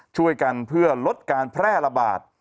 ช่วยกันเพื่อลดการแพร่ระบาด